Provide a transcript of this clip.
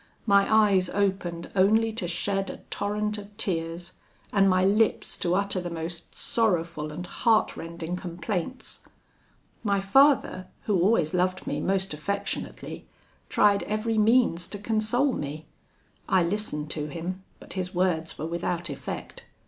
My eyes opened only to shed a torrent of tears, and my lips to utter the most sorrowful and heartrending complaints. My father, who always loved me most affectionately, tried every means to console me. I listened to him, but his words were without effect.